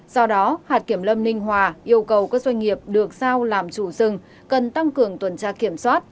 do đó hạt kiểm lâm ninh hòa yêu cầu các doanh nghiệp được sao làm chủ rừng cần tăng cường tuần tra kiểm soát